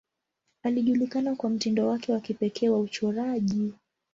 Alijulikana kwa mtindo wake wa kipekee wa uchoraji.